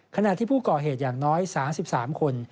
ขณะที่ผู้ก่อเหตุอย่างน้อย๓๓คน